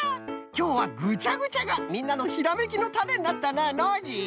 きょうはぐちゃぐちゃがみんなのひらめきのタネになったなノージー。